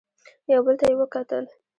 يو بل ته يې وکتل.